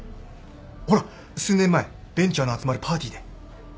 ほら数年前ベンチャーの集まるパーティーで。